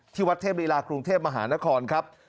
วัดเทพฤลากรุงเทพมหานครครับ